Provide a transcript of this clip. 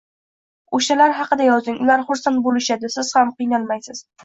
o‘shalar haqida yozing, ular xursand bo‘lishadi, siz ham qiynalmaysiz.